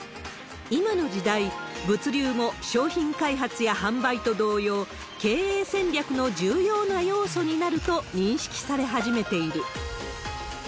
今の時代、物流も商品開発や販売と同様、経営戦略の重要な要素になると認識され始めている。